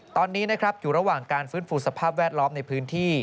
ตอนนี้นะครับอยู่ระหว่างการฟื้นฟูสภาพแวดล้อมในพื้นที่